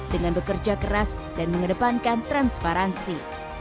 dengan bekerja keras dan mengedepankan transparansi